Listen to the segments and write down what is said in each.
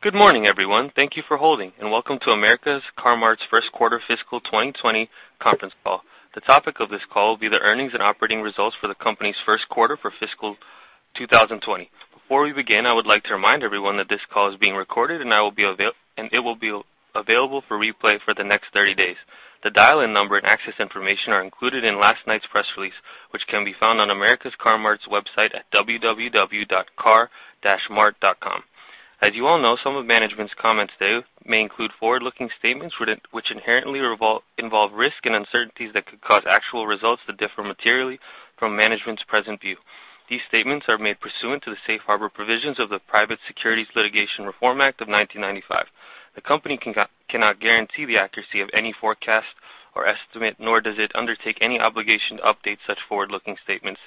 Good morning, everyone. Thank you for holding, and welcome to America's Car-Mart's first quarter fiscal 2020 conference call. The topic of this call will be the earnings and operating results for the company's first quarter for fiscal 2020. Before we begin, I would like to remind everyone that this call is being recorded, and it will be available for replay for the next 30 days. The dial-in number and access information are included in last night's press release, which can be found on America's Car-Mart's website at www.car-mart.com. As you all know, some of management's comments today may include forward-looking statements, which inherently involve risk and uncertainties that could cause actual results to differ materially from management's present view. These statements are made pursuant to the safe harbor provisions of the Private Securities Litigation Reform Act of 1995. The company cannot guarantee the accuracy of any forecast or estimate, nor does it undertake any obligation to update such forward-looking statements.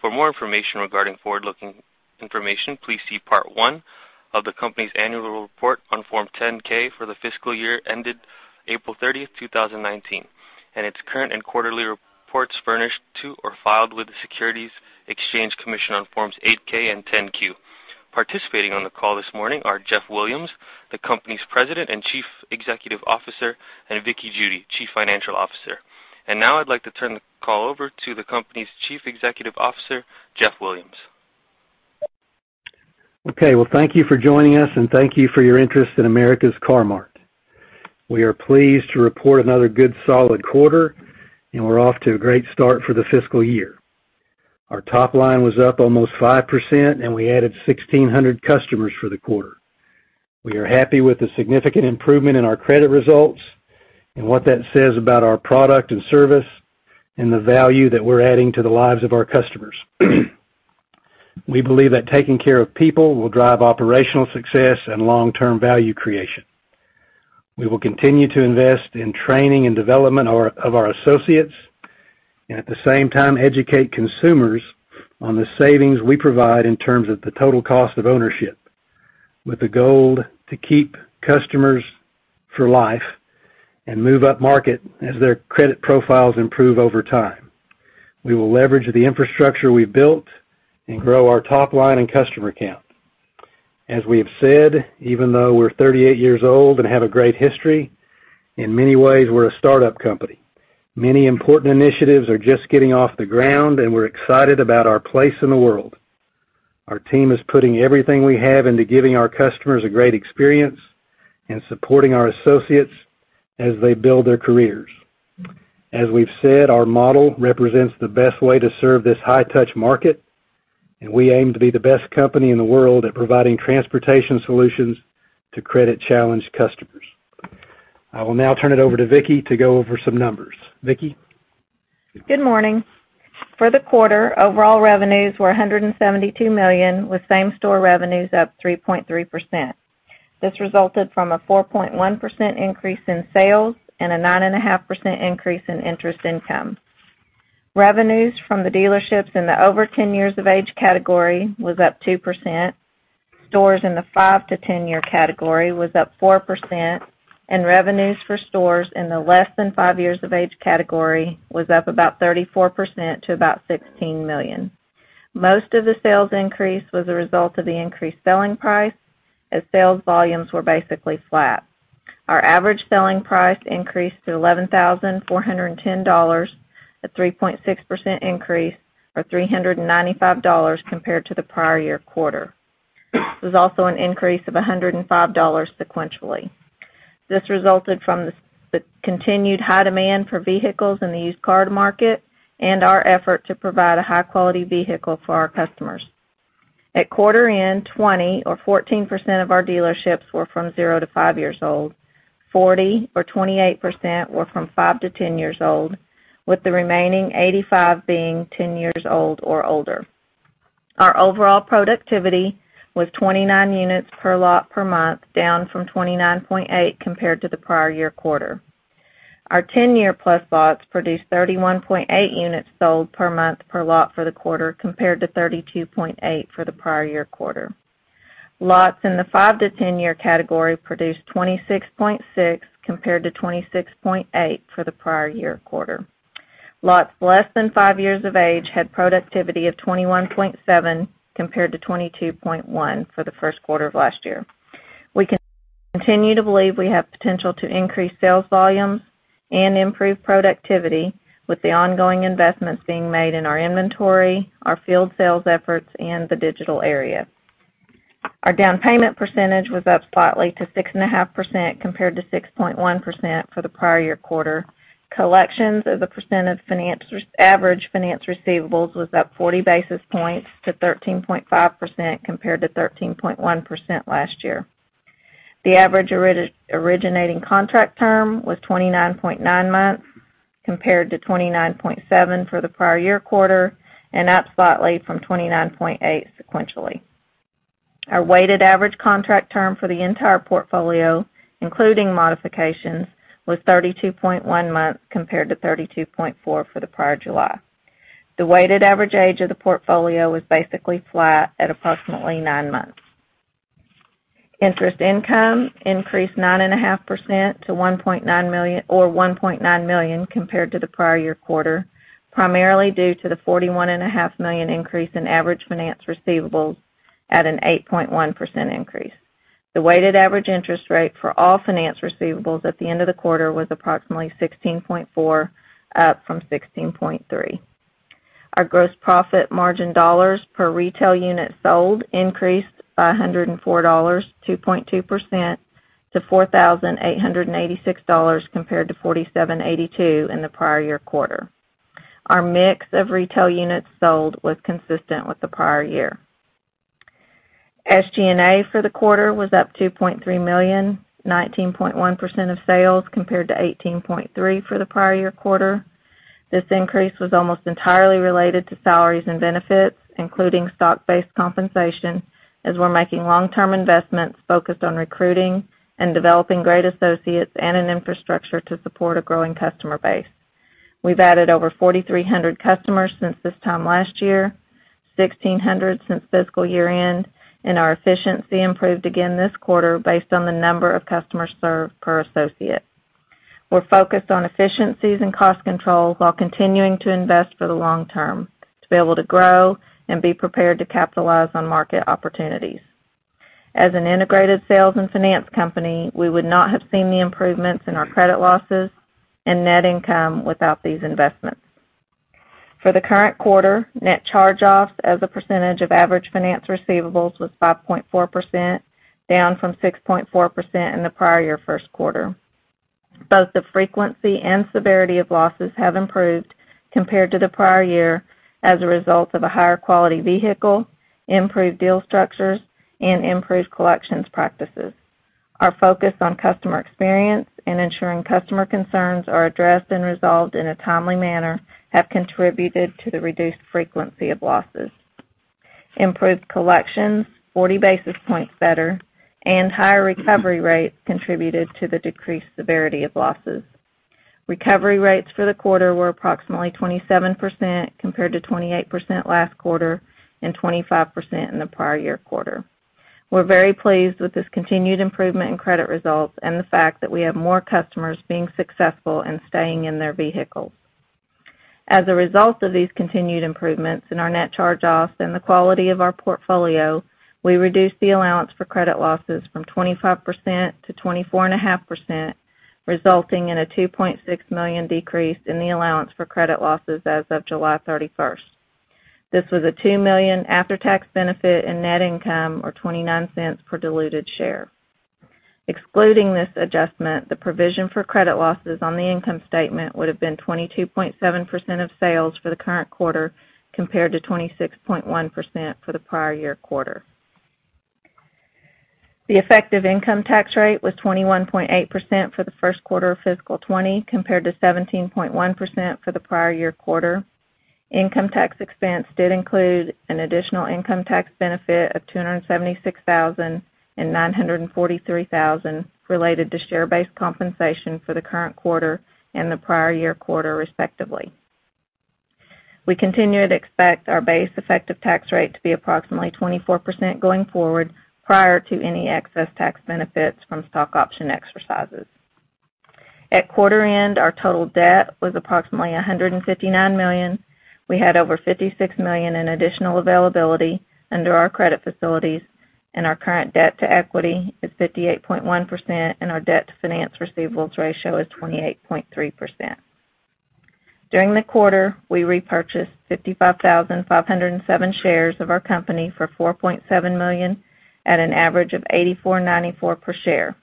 For more information regarding forward-looking information, please see Part One of the company's annual report on Form 10-K for the fiscal year ended April 30th, 2019, and its current and quarterly reports furnished to, or filed with, the Securities and Exchange Commission on Forms 8-K and 10-Q. Participating on the call this morning are Jeff Williams, the company's President and Chief Executive Officer, and Vickie Judy, Chief Financial Officer. Now I'd like to turn the call over to the company's Chief Executive Officer, Jeff Williams. Okay. Well, thank you for joining us, and thank you for your interest in America's Car-Mart. We are pleased to report another good, solid quarter, and we're off to a great start for the fiscal year. Our top line was up almost 5%, and we added 1,600 customers for the quarter. We are happy with the significant improvement in our credit results and what that says about our product and service and the value that we're adding to the lives of our customers. We believe that taking care of people will drive operational success and long-term value creation. We will continue to invest in training and development of our associates and, at the same time, educate consumers on the savings we provide in terms of the total cost of ownership, with the goal to keep customers for life and move upmarket as their credit profiles improve over time. We will leverage the infrastructure we've built and grow our top line and customer count. As we have said, even though we're 38 years old and have a great history, in many ways, we're a startup company. Many important initiatives are just getting off the ground, and we're excited about our place in the world. Our team is putting everything we have into giving our customers a great experience and supporting our associates as they build their careers. As we've said, our model represents the best way to serve this high-touch market, and we aim to be the best company in the world at providing transportation solutions to credit-challenged customers. I will now turn it over to Vickie to go over some numbers. Vickie? Good morning. For the quarter, overall revenues were $172 million, with same-store revenues up 3.3%. This resulted from a 4.1% increase in sales and a 9.5% increase in interest income. Revenues from the dealerships in the over 10 years of age category was up 2%. Stores in the 5-to-10 year category was up 4%, and revenues for stores in the less than 5 years of age category was up about 34% to about $16 million. Most of the sales increase was a result of the increased selling price, as sales volumes were basically flat. Our average selling price increased to $11,410, a 3.6% increase, or $395 compared to the prior year quarter. There's also an increase of $105 sequentially. This resulted from the continued high demand for vehicles in the used car market and our effort to provide a high-quality vehicle for our customers. At quarter end, 20, or 14%, of our dealerships were from zero to five years old, 40, or 28%, were from 5 to 10 years old, with the remaining 85 being 10 years old or older. Our overall productivity was 29 units per lot per month, down from 29.8 compared to the prior year quarter. Our 10-year-plus lots produced 31.8 units sold per month per lot for the quarter, compared to 32.8 for the prior year quarter. Lots in the 5-to-10 year category produced 26.6 compared to 26.8 for the prior year quarter. Lots less than five years of age had productivity of 21.7 compared to 22.1 for the first quarter of last year. We continue to believe we have potential to increase sales volumes and improve productivity with the ongoing investments being made in our inventory, our field sales efforts, and the digital area. Our down payment percentage was up slightly to 6.5% compared to 6.1% for the prior year quarter. Collections as a percent of average finance receivables was up 40 basis points to 13.5% compared to 13.1% last year. The average originating contract term was 29.9 months compared to 29.7 for the prior year quarter, and up slightly from 29.8 sequentially. Our weighted average contract term for the entire portfolio, including modifications, was 32.1 months compared to 32.4 for the prior July. The weighted average age of the portfolio was basically flat at approximately nine months. Interest income increased 9.5% to $1.9 million, or $1.9 million compared to the prior year quarter, primarily due to the $41.5 million increase in average finance receivables at an 8.1% increase. The weighted average interest rate for all finance receivables at the end of the quarter was approximately 16.4, up from 16.3. Our gross profit margin dollars per retail unit sold increased by $104, 2.2%, to $4,886, compared to $4,782 in the prior year quarter. Our mix of retail units sold was consistent with the prior year. SG&A for the quarter was up to $2.3 million, 19.1% of sales, compared to 18.3% for the prior year quarter. This increase was almost entirely related to salaries and benefits, including stock-based compensation, as we're making long-term investments focused on recruiting and developing great associates and an infrastructure to support a growing customer base. We've added over 4,300 customers since this time last year, 1,600 since fiscal year-end, and our efficiency improved again this quarter based on the number of customers served per associate. We're focused on efficiencies and cost control while continuing to invest for the long term to be able to grow and be prepared to capitalize on market opportunities. As an integrated sales and finance company, we would not have seen the improvements in our credit losses and net income without these investments. For the current quarter, net charge-offs as a percentage of average finance receivables was 5.4%, down from 6.4% in the prior year first quarter. Both the frequency and severity of losses have improved compared to the prior year as a result of a higher quality vehicle, improved deal structures, and improved collections practices. Our focus on customer experience and ensuring customer concerns are addressed and resolved in a timely manner have contributed to the reduced frequency of losses. Improved collections, 40 basis points better, and higher recovery rates contributed to the decreased severity of losses. Recovery rates for the quarter were approximately 27%, compared to 28% last quarter and 25% in the prior year quarter. We're very pleased with this continued improvement in credit results and the fact that we have more customers being successful and staying in their vehicles. As a result of these continued improvements in our net charge-offs and the quality of our portfolio, we reduced the allowance for credit losses from 25% to 24.5%, resulting in a $2.6 million decrease in the allowance for credit losses as of July 31st. This was a $2 million after-tax benefit in net income, or $0.29 per diluted share. Excluding this adjustment, the provision for credit losses on the income statement would have been 22.7% of sales for the current quarter, compared to 26.1% for the prior year quarter. The effective income tax rate was 21.8% for the first quarter of fiscal 2020, compared to 17.1% for the prior year quarter. Income tax expense did include an additional income tax benefit of $276,000 and $943,000 related to share-based compensation for the current quarter and the prior year quarter, respectively. We continue to expect our base effective tax rate to be approximately 24% going forward, prior to any excess tax benefits from stock option exercises. At quarter end, our total debt was approximately $159 million. We had over $56 million in additional availability under our credit facilities, and our current debt to equity is 58.1%, and our debt to finance receivables ratio is 28.3%. During the quarter, we repurchased 55,507 shares of our company for $4.7 million at an average of $84.94 per share.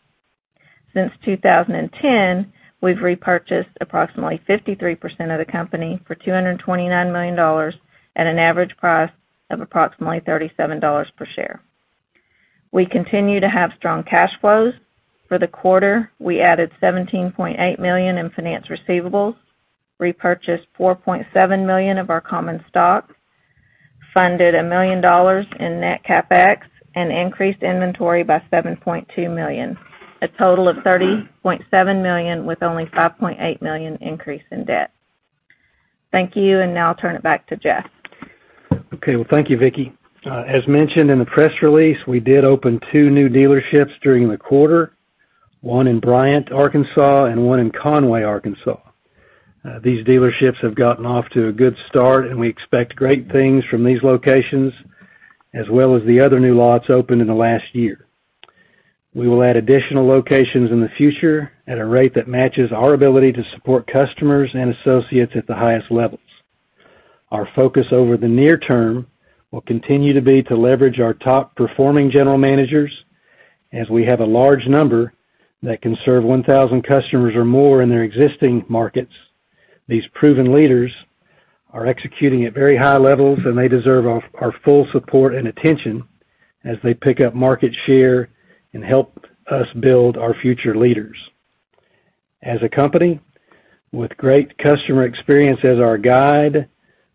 Since 2010, we've repurchased approximately 53% of the company for $229 million at an average price of approximately $37 per share. We continue to have strong cash flows. For the quarter, we added $17.8 million in finance receivables, repurchased $4.7 million of our common stock, funded $1 million in net CapEx, and increased inventory by $7.2 million. A total of $30.7 million, with only $5.8 million increase in debt. Thank you, and now I'll turn it back to Jeff. Okay, well, thank you, Vickie. As mentioned in the press release, we did open two new dealerships during the quarter, one in Bryant, Arkansas, and one in Conway, Arkansas. These dealerships have gotten off to a good start, and we expect great things from these locations, as well as the other new lots opened in the last year. We will add additional locations in the future at a rate that matches our ability to support customers and associates at the highest levels. Our focus over the near term will continue to be to leverage our top-performing general managers, as we have a large number that can serve 1,000 customers or more in their existing markets. These proven leaders are executing at very high levels, and they deserve our full support and attention as they pick up market share and help us build our future leaders. As a company with great customer experience as our guide,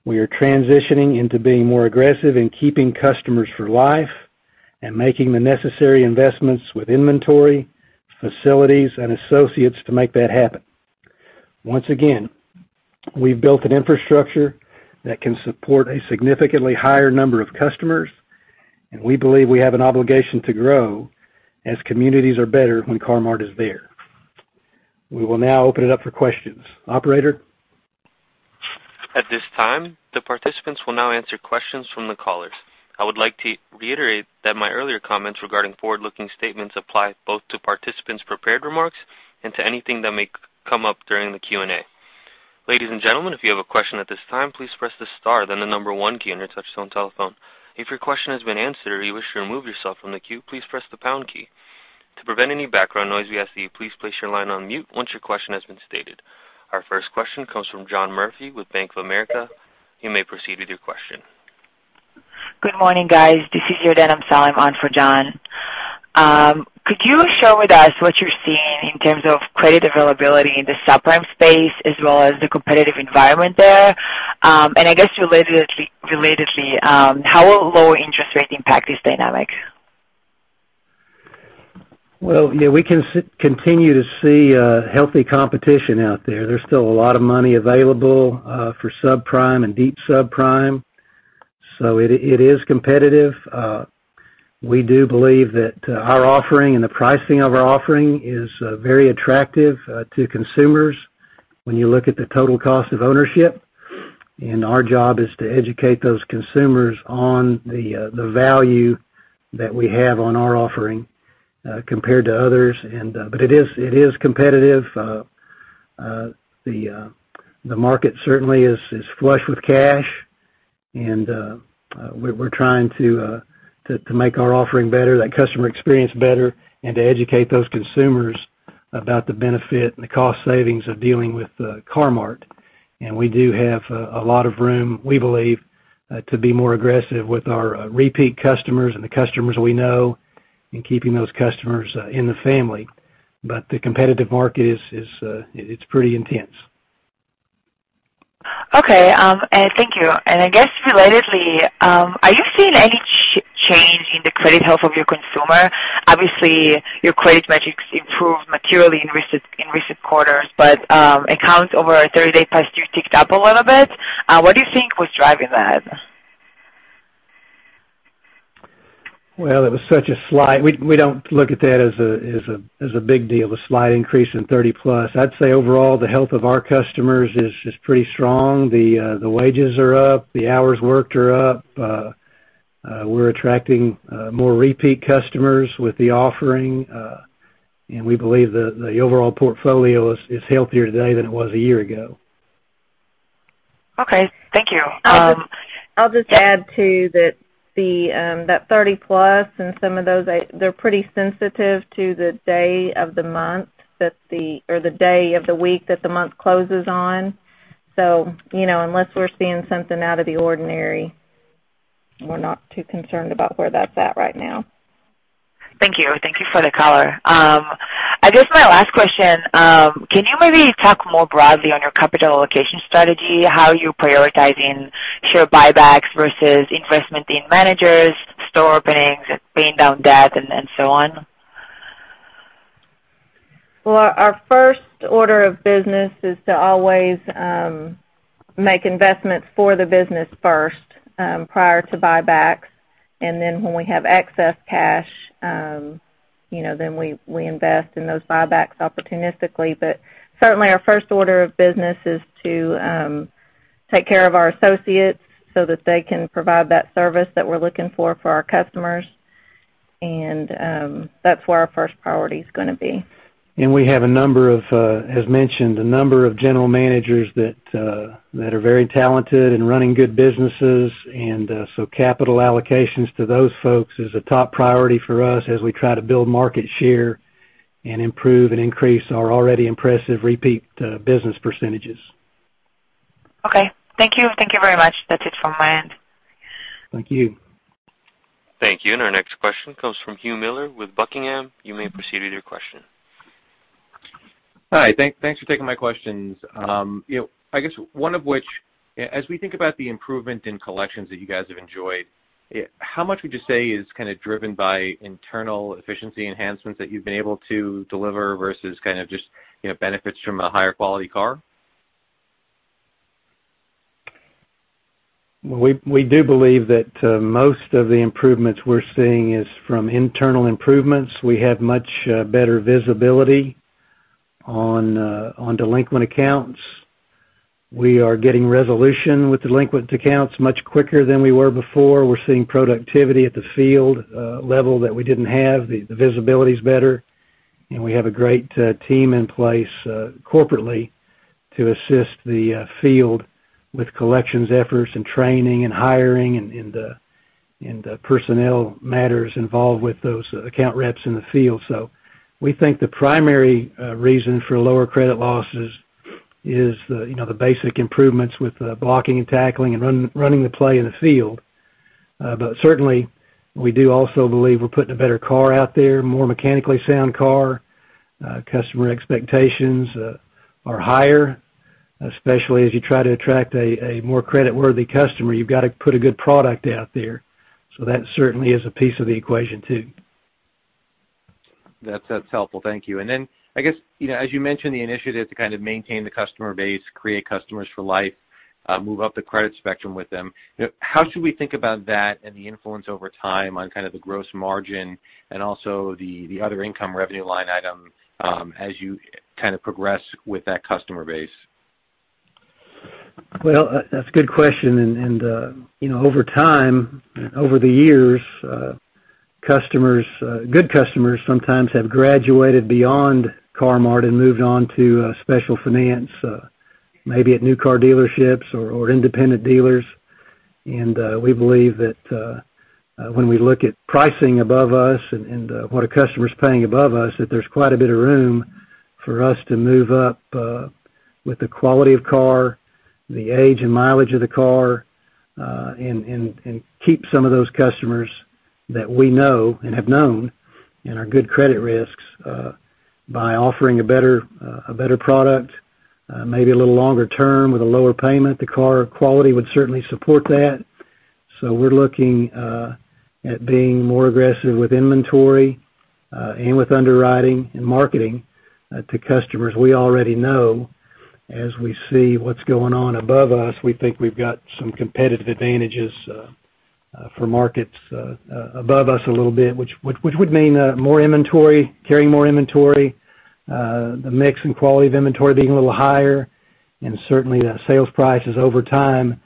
we are transitioning into being more aggressive in keeping customers for life and making the necessary investments with inventory, facilities, and associates to make that happen. Once again, we've built an infrastructure that can support a significantly higher number of customers, and we believe we have an obligation to grow, as communities are better when Car-Mart is there. We will now open it up for questions. Operator? At this time, the participants will now answer questions from the callers. I would like to reiterate that my earlier comments regarding forward-looking statements apply both to participants' prepared remarks and to anything that may come up during the Q&A. Ladies and gentlemen, if you have a question at this time, please press the star then the number 1 key on your touchtone telephone. If your question has been answered or you wish to remove yourself from the queue, please press the pound key. To prevent any background noise, we ask that you please place your line on mute once your question has been stated. Our first question comes from John Murphy with Bank of America. You may proceed with your question. Good morning, guys. This is [Yarden]. I'm filling on for John. Could you share with us what you're seeing in terms of credit availability in the subprime space as well as the competitive environment there? I guess relatedly, how will lower interest rate impact these dynamics? Well, yeah, we continue to see healthy competition out there. There's still a lot of money available for subprime and deep subprime. It is competitive. We do believe that our offering and the pricing of our offering is very attractive to consumers when you look at the total cost of ownership. Our job is to educate those consumers on the value that we have on our offering compared to others. It is competitive. The market certainly is flush with cash, and we're trying to make our offering better, that customer experience better, and to educate those consumers about the benefit and the cost savings of dealing with Car-Mart. We do have a lot of room, we believe, to be more aggressive with our repeat customers and the customers we know and keeping those customers in the family. The competitive market is pretty intense. Okay. Thank you. I guess relatedly, are you seeing any change in the credit health of your consumer? Obviously, your credit metrics improved materially in recent quarters, but accounts over a 30-day past due ticked up a little bit. What do you think was driving that? Well, we don't look at that as a big deal, a slight increase in 30+ I'd say overall, the health of our customers is pretty strong. The wages are up. The hours worked are up. We're attracting more repeat customers with the offering. We believe the overall portfolio is healthier today than it was a year ago. Okay. Thank you. I'll just add, too, that 30+ and some of those, they're pretty sensitive to the day of the month, or the day of the week that the month closes on. Unless we're seeing something out of the ordinary, we're not too concerned about where that's at right now. Thank you. Thank you for the color. I guess my last question, can you maybe talk more broadly on your capital allocation strategy, how you're prioritizing share buybacks versus investment in managers, store openings, paying down debt, and so on? Well, our first order of business is to always make investments for the business first, prior to buybacks. When we have excess cash, then we invest in those buybacks opportunistically. Certainly our first order of business is to take care of our associates so that they can provide that service that we're looking for our customers, and that's where our first priority is going to be. We have, as mentioned, a number of general managers that are very talented and running good businesses. Capital allocations to those folks is a top priority for us as we try to build market share and improve and increase our already impressive repeat business percentages. Okay. Thank you. Thank you very much. That's it from my end. Thank you. Thank you. Our next question comes from Hugh Miller with Buckingham. You may proceed with your question. Hi. Thanks for taking my questions. I guess one of which, as we think about the improvement in collections that you guys have enjoyed, how much would you say is kind of driven by internal efficiency enhancements that you've been able to deliver versus kind of just benefits from a higher quality car? We do believe that most of the improvements we're seeing is from internal improvements. We have much better visibility on delinquent accounts. We are getting resolution with delinquent accounts much quicker than we were before. We're seeing productivity at the field level that we didn't have. The visibility's better, and we have a great team in place corporately to assist the field with collections efforts and training and hiring and the personnel matters involved with those account reps in the field. We think the primary reason for lower credit losses is the basic improvements with blocking and tackling and running the play in the field. Certainly, we do also believe we're putting a better car out there, a more mechanically sound car. Customer expectations are higher, especially as you try to attract a more creditworthy customer. You've got to put a good product out there. That certainly is a piece of the equation, too. That's helpful. Thank you. I guess, as you mentioned the initiative to kind of maintain the customer base, create customers for life, move up the credit spectrum with them, how should we think about that and the influence over time on kind of the gross margin and also the other income revenue line item as you kind of progress with that customer base? Well, that's a good question. Over time, over the years, good customers sometimes have graduated beyond America's Car-Mart and moved on to special finance, maybe at new car dealerships or independent dealers. We believe that when we look at pricing above us and what a customer's paying above us, that there's quite a bit of room for us to move up, with the quality of car, the age and mileage of the car, and keep some of those customers that we know and have known and are good credit risks, by offering a better product, maybe a little longer term with a lower payment. The car quality would certainly support that. We're looking at being more aggressive with inventory, and with underwriting and marketing to customers we already know. As we see what's going on above us, we think we've got some competitive advantages for markets above us a little bit, which would mean more inventory, carrying more inventory, the mix and quality of inventory being a little higher, and certainly the sales prices over time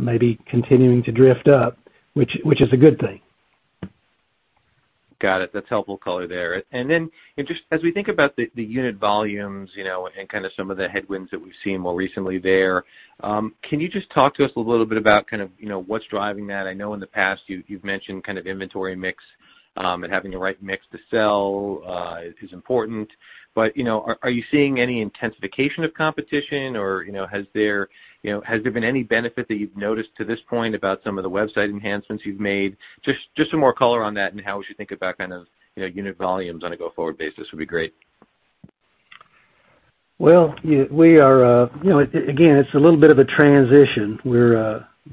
maybe continuing to drift up, which is a good thing. Got it. That's helpful color there. Then, as we think about the unit volumes, and kind of some of the headwinds that we've seen more recently there, can you just talk to us a little bit about what's driving that? I know in the past you've mentioned kind of inventory mix, and having the right mix to sell, is important. Are you seeing any intensification of competition or, has there been any benefit that you've noticed to this point about some of the website enhancements you've made? Just some more color on that and how we should think about kind of unit volumes on a go-forward basis would be great. Well, again, it's a little bit of a transition.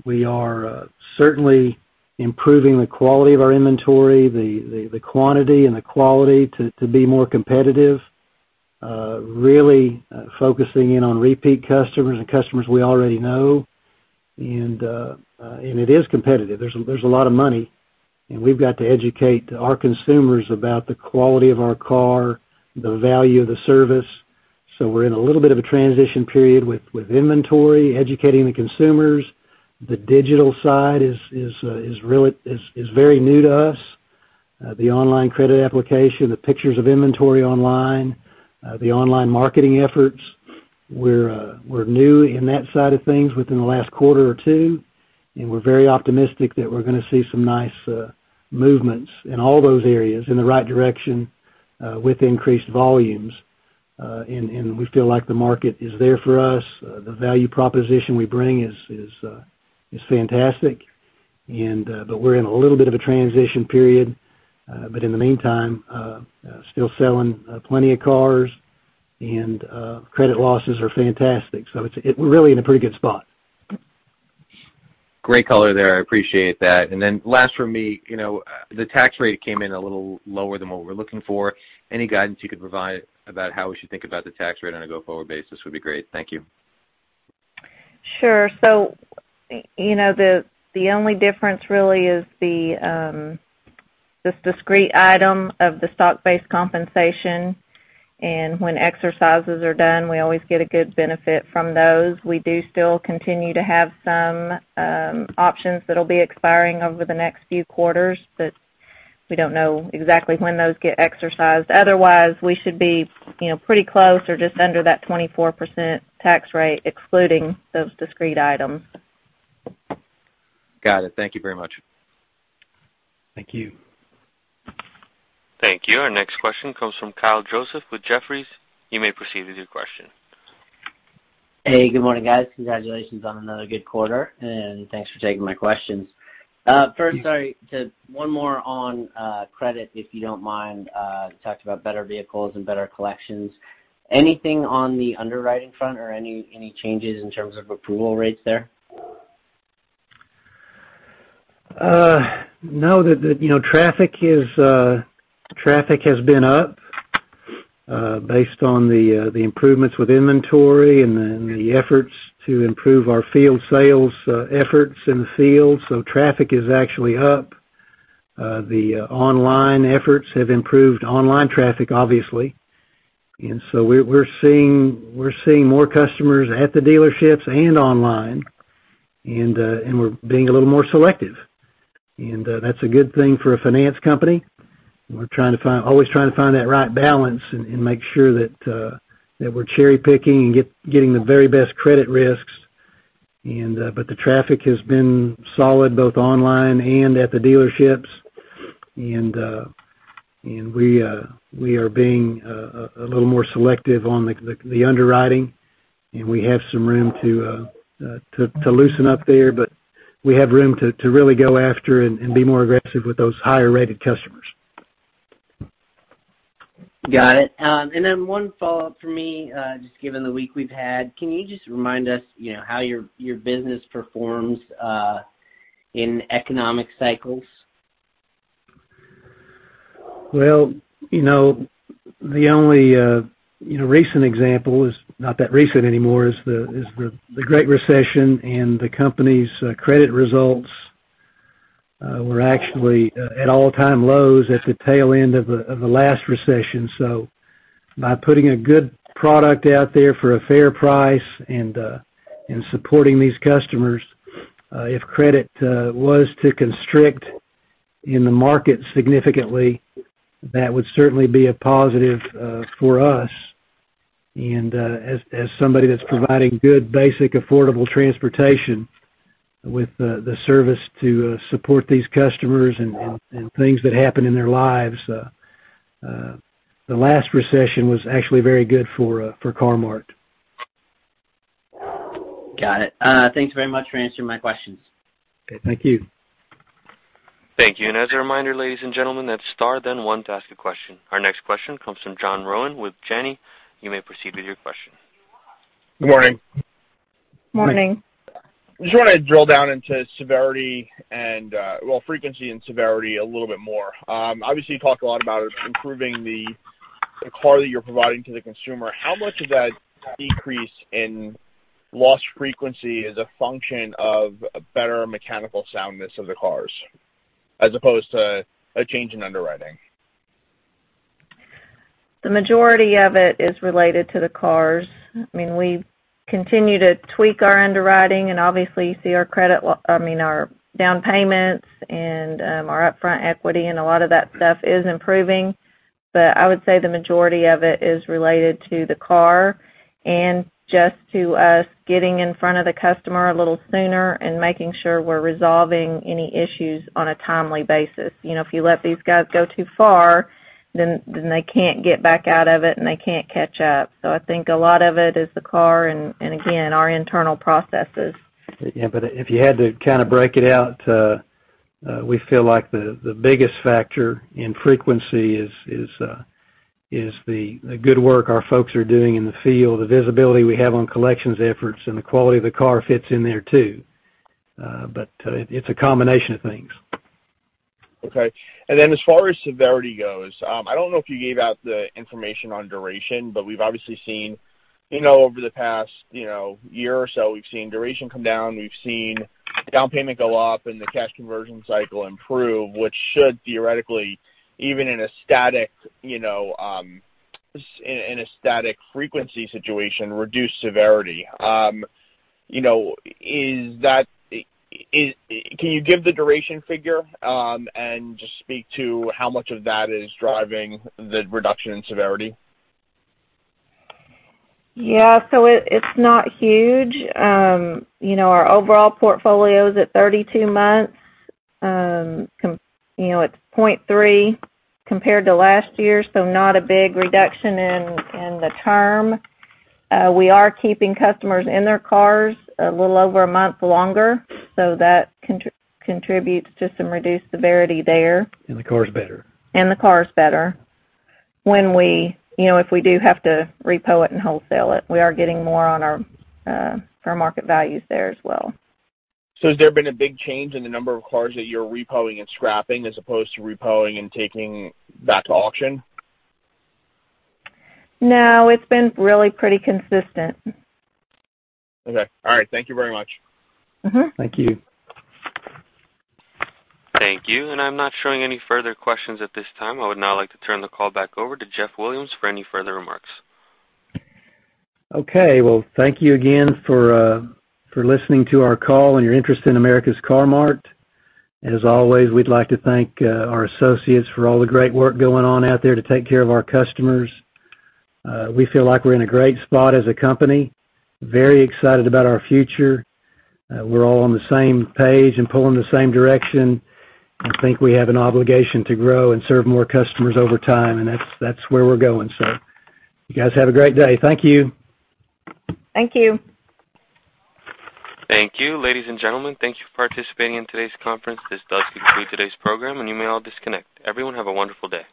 We are certainly improving the quality of our inventory, the quantity and the quality to be more competitive, really focusing in on repeat customers and customers we already know. It is competitive. There's a lot of money, we've got to educate our consumers about the quality of our car, the value of the service. We're in a little bit of a transition period with inventory, educating the consumers. The digital side is very new to us. The online credit application, the pictures of inventory online, the online marketing efforts. We're new in that side of things within the last quarter or two, we're very optimistic that we're going to see some nice movements in all those areas in the right direction, with increased volumes. We feel like the market is there for us. The value proposition we bring is fantastic. We're in a little bit of a transition period. In the meantime, still selling plenty of cars and credit losses are fantastic. We're really in a pretty good spot. Great color there. I appreciate that. Last from me, the tax rate came in a little lower than what we're looking for. Any guidance you could provide about how we should think about the tax rate on a go-forward basis would be great. Thank you. Sure. The only difference really is this discrete item of the stock-based compensation. When exercises are done, we always get a good benefit from those. We do still continue to have some options that'll be expiring over the next few quarters, but we don't know exactly when those get exercised. Otherwise, we should be pretty close or just under that 24% tax rate, excluding those discrete items. Got it. Thank you very much. Thank you. Thank you. Our next question comes from Kyle Joseph with Jefferies. You may proceed with your question. Hey, good morning, guys. Congratulations on another good quarter, and thanks for taking my questions. First, sorry, just one more on credit, if you don't mind. You talked about better vehicles and better collections. Anything on the underwriting front or any changes in terms of approval rates there? No. Traffic has been up, based on the improvements with inventory and the efforts to improve our field sales efforts in the field. Traffic is actually up. The online efforts have improved online traffic, obviously. We're seeing more customers at the dealerships and online, and we're being a little more selective. That's a good thing for a finance company. We're always trying to find that right balance and make sure that we're cherry-picking and getting the very best credit risks. The traffic has been solid, both online and at the dealerships. We are being a little more selective on the underwriting, and we have some room to loosen up there. We have room to really go after and be more aggressive with those higher-rated customers. Got it. One follow-up from me, just given the week we've had. Can you just remind us how your business performs in economic cycles? The only recent example, it's not that recent anymore, is the Great Recession and the company's credit results were actually at all-time lows at the tail end of the last recession. By putting a good product out there for a fair price and supporting these customers, if credit was to constrict in the market significantly, that would certainly be a positive for us. As somebody that's providing good, basic, affordable transportation with the service to support these customers and things that happen in their lives, the last recession was actually very good for Car-Mart. Got it. Thanks very much for answering my questions. Okay. Thank you. Thank you. As a reminder, ladies and gentlemen, that's star then one to ask a question. Our next question comes from John Rowan with Janney. You may proceed with your question. Good morning. Morning. Just want to drill down into frequency and severity a little bit more. Obviously, you talked a lot about improving the car that you're providing to the consumer. How much of that decrease in loss frequency is a function of a better mechanical soundness of the cars as opposed to a change in underwriting? The majority of it is related to the cars. We continue to tweak our underwriting and obviously see our down payments and our upfront equity and a lot of that stuff is improving. I would say the majority of it is related to the car and just to us getting in front of the customer a little sooner and making sure we're resolving any issues on a timely basis. If you let these guys go too far, then they can't get back out of it, and they can't catch up. I think a lot of it is the car, and again, our internal processes. Yeah. If you had to kind of break it out, we feel like the biggest factor in frequency is the good work our folks are doing in the field, the visibility we have on collections efforts, and the quality of the car fits in there, too. It's a combination of things. Okay. As far as severity goes, I don't know if you gave out the information on duration, but we've obviously seen over the past year or so, we've seen duration come down, we've seen down payment go up, and the cash conversion cycle improve, which should theoretically, even in a static frequency situation, reduce severity. Can you give the duration figure, and just speak to how much of that is driving the reduction in severity? It's not huge. Our overall portfolio is at 32 months. It's 0.3 compared to last year, so not a big reduction in the term. We are keeping customers in their cars a little over a month longer, so that contributes to some reduced severity there. The car's better. The car is better. If we do have to repo it and wholesale it, we are getting more on our fair market values there as well. Has there been a big change in the number of cars that you're repoing and scrapping as opposed to repoing and taking back to auction? No. It's been really pretty consistent. Okay. All right. Thank you very much. Thank you. Thank you. I'm not showing any further questions at this time. I would now like to turn the call back over to Jeff Williams for any further remarks. Okay. Well, thank you again for listening to our call and your interest in America's Car-Mart. As always, we'd like to thank our associates for all the great work going on out there to take care of our customers. We feel like we're in a great spot as a company. Very excited about our future. We're all on the same page and pulling the same direction. I think we have an obligation to grow and serve more customers over time, and that's where we're going. You guys have a great day. Thank you. Thank you. Thank you. Ladies and gentlemen, thank you for participating in today's conference. This does conclude today's program, and you may all disconnect. Everyone, have a wonderful day.